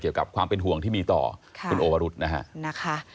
เกี่ยวกับความเป็นห่วงที่มีต่อคุณโอวรุษนะฮะ